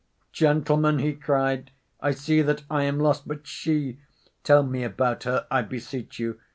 "Gentlemen," he cried, "I see that I am lost! But she? Tell me about her, I beseech you.